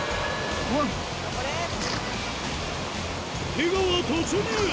出川突入！